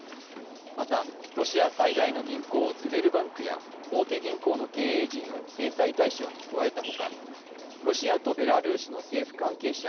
また、ロシア最大の銀行ズベルバンクや大手銀行の経営陣を制裁対象に加えたほかロシアとベラルーシの政府関係者